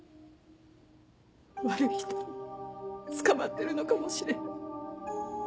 悪い人に捕まってるのかもしれない。